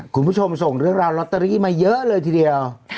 คุณผู้ชมส่งเรื่องราวลอตเตอรี่มาเยอะเลยทีเดียว